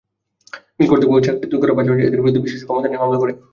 মিল কর্তৃপক্ষ চাকরিচ্যুত করার পাশাপাশি এঁদের বিরুদ্ধে বিশেষ ক্ষমতা আইনে মামলা করে।